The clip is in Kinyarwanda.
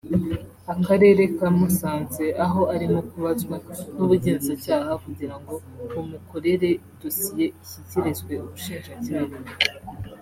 Akarere ka Musanze aho arimo kubazwa n’ubugenzacyaha kugirango bumukorere dosiye ishyikirizwe ubushinjacyaha